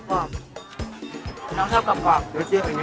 น้องชอบกรอบคุณกรอบอืมเข็มข้นอ๋อเออใช่